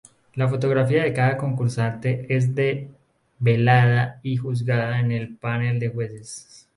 La fotografía de cada concursante es develada y juzgada en el panel de jueces.